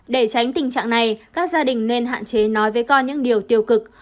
để tránh tình trạng này các gia đình nên hạn chế nói với con những điều tiêu cực